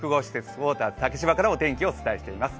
ウォーターズ竹芝からお伝えしています。